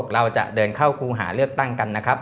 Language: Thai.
เราจะเดินเข้าครูหาเลือกตั้งกันนะครับ